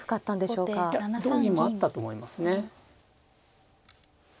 いや同銀もあったと思いますね。